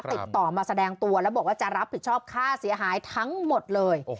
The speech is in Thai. ติดต่อมาแสดงตัวแล้วบอกว่าจะรับผิดชอบค่าเสียหายทั้งหมดเลย